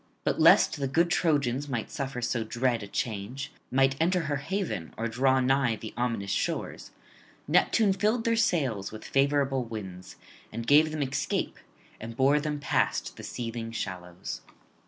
But lest the good Trojans might suffer so dread a change, might enter her haven or draw nigh the ominous shores, Neptune filled [23 55]their sails with favourable winds, and gave them escape, and bore them past the seething shallows.